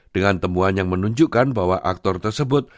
dengan temuan yang menunjukkan bahwa aktor tersebut